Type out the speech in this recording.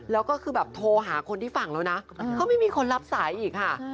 แล้วก็คือแบบโทรหาคนที่ฝั่งแล้วนะก็ไม่มีคนรับสายอีกค่ะ